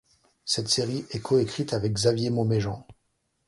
Cette série est coécrite avec Xavier Mauméjean.